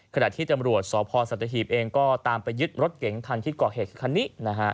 ขณะที่ตำรวจสพสัตเทียบเองก็ตามไปยึดรถเก๋งทันที่กรอกเหตุคันนี้